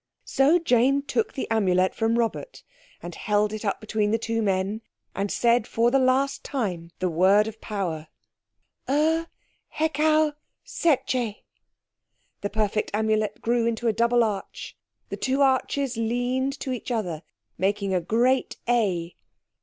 So Jane took the Amulet from Robert and held it up between the two men, and said, for the last time, the word of Power. "Ur Hekau Setcheh." The perfect Amulet grew into a double arch; the two arches leaned to each other Λ making a great A.